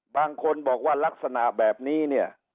บางคนบอกว่าลักษณะแบบนี้เนี่ย